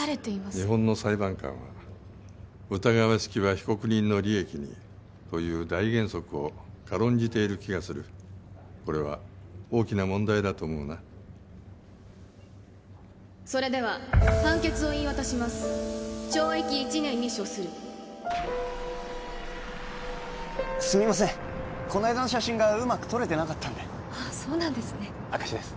日本の裁判官は「疑わしきは被告人の利益に」という大原則を軽んじている気がするこれは大きな問題だと思うなそれでは判決を言い渡します懲役１年に処するすみませんこないだの写真がうまく撮れてなかったんであっそうなんですね明石です